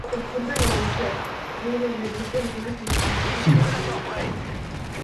La violación por Bolivia de esta cláusula desencadenó la Guerra del Pacífico.